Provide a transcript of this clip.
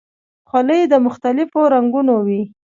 خولۍ د مختلفو رنګونو وي.